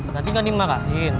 nanti kan dimarahin